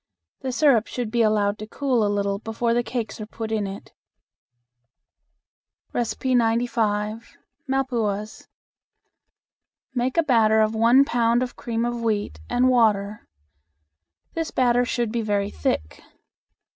The syrup should be allowed to cool a little before the cakes are put in it. 95. Malpuas. Make a batter of one pound of cream of wheat and water. This batter should be very thick.